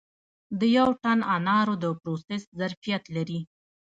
د یو ټن انارو د پروسس ظرفیت لري